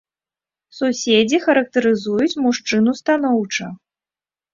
Суседзі характарызуюць мужчыну станоўча.